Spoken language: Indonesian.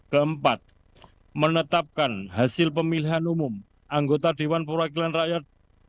keempat menetapkan hasil pemilihan umum anggota dewan perwakilan rakyat